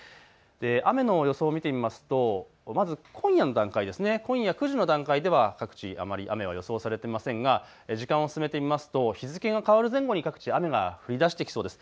雨の予想見てみますとまず今夜の段階、今夜９時の段階では各地あまり雨は予想されていませんが時間を進めてみますと日付が変わる前後に各地、雨が降りだしてきそうです。